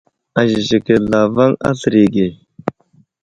Azəziki zlavaŋ aslər yo age.